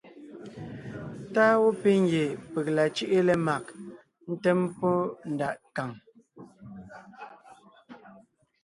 Táʼ á wɔ́ pɔ́ ngie peg la cʉ́ʼʉ lemag ńtém pɔ́ ndaʼ nkàŋ.